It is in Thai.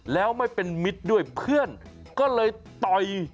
แล้วไม่เป็นมิตรด้วยเพื่อนก็เลยต่อย